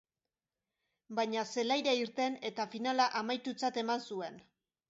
Baina zelaiara irten, eta finala amaitutzat eman zuen.